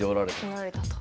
おられたと。